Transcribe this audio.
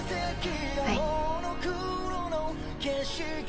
はい。